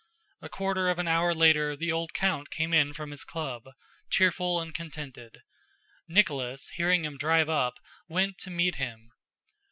A quarter of an hour later the old count came in from his club, cheerful and contented. Nicholas, hearing him drive up, went to meet him.